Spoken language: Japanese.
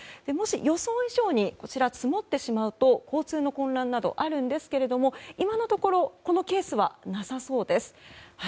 もし、予想以上に積もってしまうと交通の混乱などあるんですが今のところこのケースはなさそうです。